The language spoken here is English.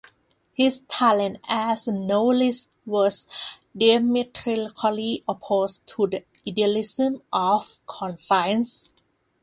His talent as a novelist was diametrically opposed to the idealism of Conscience.